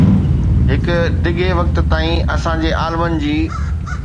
هڪ ڊگهي وقت تائين، اسان جي عالمن جي